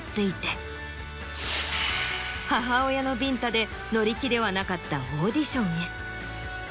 母親のビンタで乗り気ではなかったオーディションへ。